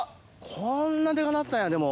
こんなデカなったんやでも。